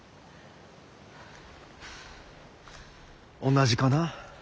同じかな。